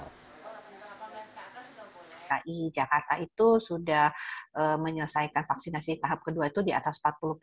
dki jakarta itu sudah menyelesaikan vaksinasi tahap kedua itu di atas empat puluh tujuh